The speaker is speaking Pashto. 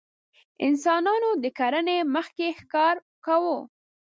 انسانانو د کرنې مخکې ښکار کاوه.